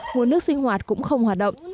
nguồn nước sinh hoạt cũng không hoạt động